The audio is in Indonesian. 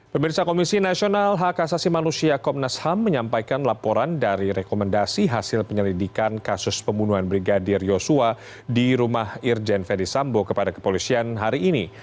pemirsa komisi nasional hak asasi manusia komnas ham menyampaikan laporan dari rekomendasi hasil penyelidikan kasus pembunuhan brigadir yosua di rumah irjen ferdisambo kepada kepolisian hari ini